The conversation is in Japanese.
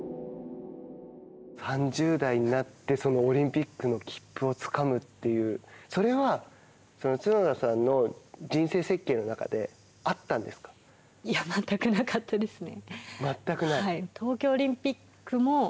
３０代になって、オリンピックの切符をつかむという、それは角田さんの人生設計の中でいや、全くなかったですね。